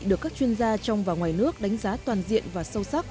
được các chuyên gia trong và ngoài nước đánh giá toàn diện và sâu sắc